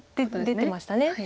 出てました。